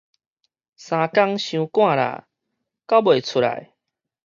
三工傷趕啦，交袂出來